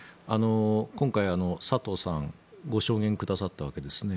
今回、佐藤さんご証言くださったわけですね。